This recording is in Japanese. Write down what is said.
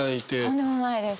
とんでもないです。